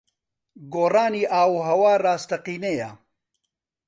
گۆڕانی ئاووھەوا ڕاستەقینەیە.